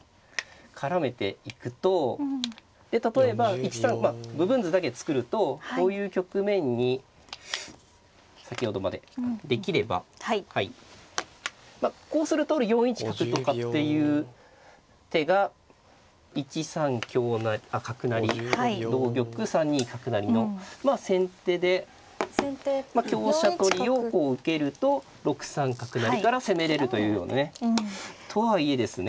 絡めていくとで例えば１三まあ部分図だけ作るとこういう局面に先ほどまでできればこうすると４一角とかっていう手が１三角成同玉３二角成のまあ先手で香車取りをこう受けると６三角成から攻めれるというようなね。とはいえですね